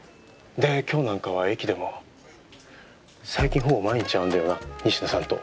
で今日なんかは駅でも。最近ほぼ毎日会うんだよな仁科さんと。